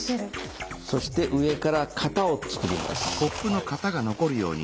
そして上から型を作ります。